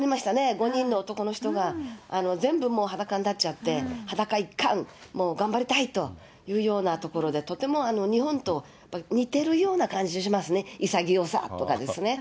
５人の男の人が全部もう裸になっちゃって、裸一貫、頑張りたいというようなところでとても日本と似てるような感じしますね、潔さとかですね。